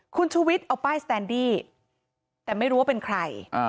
คุณชุวิตเอาป้ายสแตนดี้แต่ไม่รู้ว่าเป็นใคร